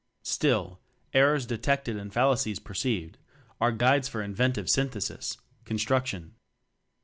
Still errors detected and fallacies perceived are guides for inventive synthesis construction.